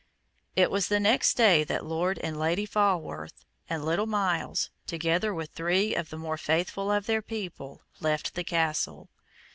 It was the next day that Lord and Lady Falworth and little Myles, together with three of the more faithful of their people, left the castle.